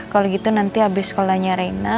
kalo gitu nanti abis sekolahnya rena